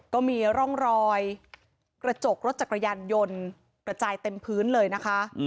ก็มีร่องรอยกระจกรถจักรยานยนต์กระจายเต็มพื้นเลยนะคะ